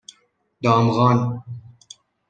دامغان